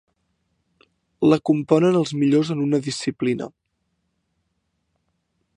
La componen els millors en una disciplina.